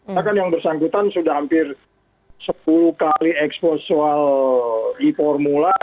maka kan yang bersangkutan sudah hampir sepuluh kali eksposual di formula